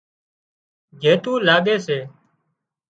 جيتُو لاڳي سي